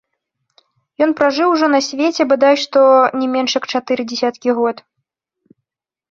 Ён пражыў ужо на свеце бадай што не менш як чатыры дзесяткі год.